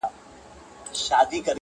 • بیرته چي یې راوړې، هغه بل وي زما نه .